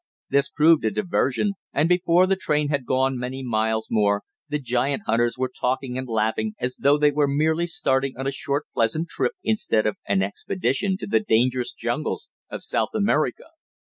This proved a diversion, and before the train had gone many miles more the giant hunters were talking and laughing as though they were merely starting on a short pleasure trip, instead of an expedition to the dangerous jungles of South America.